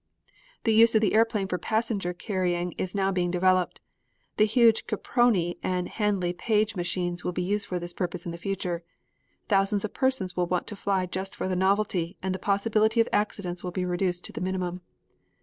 The use of the airplane for passenger carrying is now being developed. The huge Caproni and Handley Page machines will be used for this purpose in the future. Thousands of persons will want to fly just for the novelty, and the possibility of accidents will be reduced to the minimum.